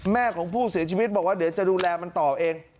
แม่ของผู้เสียชีวิตบอกว่าเดี๋ยวจะดูแลมันต่อเอง